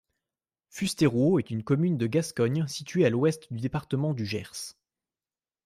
Fustérouau est une commune de Gascogne située à l'ouest du département du Gers.